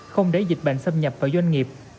không để dịch bệnh xâm nhập vào doanh nghiệp